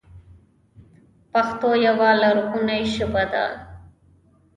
پښتو یوه لرغوني ژبه ده.